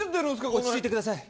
落ち着いてください。